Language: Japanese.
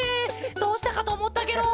どうしたかとおもったケロ！